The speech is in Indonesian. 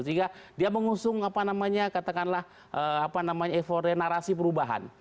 sehingga dia mengusung apa namanya katakanlah apa namanya euforia narasi perubahan